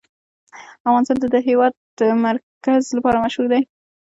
افغانستان د د هېواد مرکز لپاره مشهور دی.